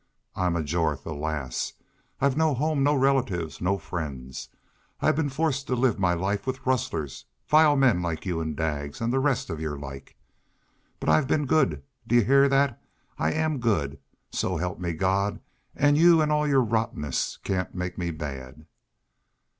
I'm a Jorth, alas! I've no home, no relatives, no friends! I've been forced to live my life with rustlers vile men like y'u an' Daggs an' the rest of your like.... But I've been good! Do y'u heah that? ... I AM good so help me God, y'u an' all your rottenness cain't make me bad!"